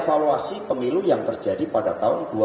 bersama dengan pak gajah